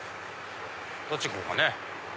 どっち行こうかね。